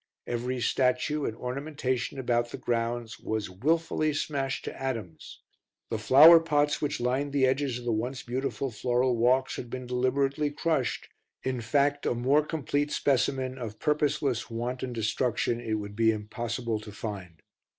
Every statue and ornamentation about the grounds was wilfully smashed to atoms; the flower pots which lined the edges of the once beautiful floral walks had been deliberately crushed in fact a more complete specimen of purposeless, wanton destruction it would be impossible to find.